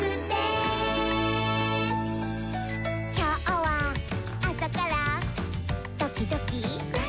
「きょうはあさからドキドキ」